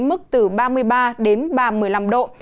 mức từ ba mươi ba đến ba mươi năm độ